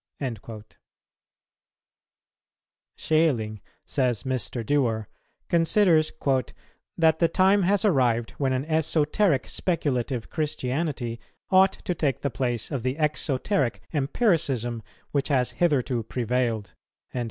"[201:4] Schelling, says Mr. Dewar, considers "that the time has arrived when an esoteric speculative Christianity ought to take the place of the exoteric empiricism which has hitherto prevailed."